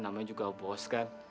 namanya juga bos kan